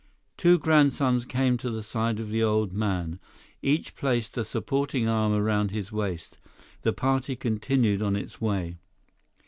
Two grandsons came to the side of the old man. Each placed a supporting arm around his waist. The party continued on its way.